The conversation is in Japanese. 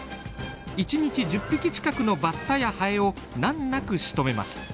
１日１０匹近くのバッタやハエを難なくしとめます。